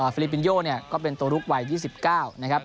ฟิลิปปินโยเนี่ยก็เป็นตัวลุกวัย๒๙นะครับ